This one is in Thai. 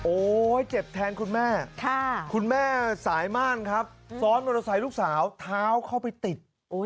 เจ็บแทนคุณแม่คุณแม่สายม่านครับซ้อนมอเตอร์ไซค์ลูกสาวเท้าเข้าไปติด